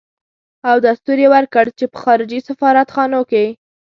او دستور يې ورکړ چې په خارجي سفارت خانو کې.